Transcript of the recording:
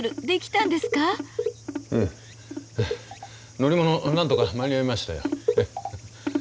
乗り物なんとか間に合いましたよ。